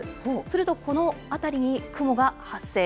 するとこの辺りに雲が発生。